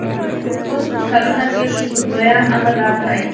اوس کلونه تېر شول خو دویم امر رانغی